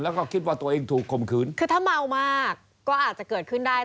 แล้วก็คิดว่าตัวเองถูกคมคืนคือถ้าเมามากก็อาจจะเกิดขึ้นได้